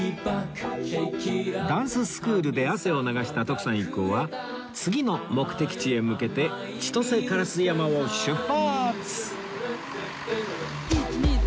ダンススクールで汗を流した徳さん一行は次の目的地へ向けて千歳烏山を出発！